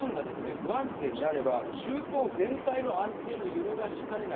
不安定になれば中東全体の安定も揺るがしかねない